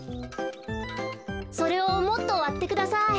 それをもっとわってください。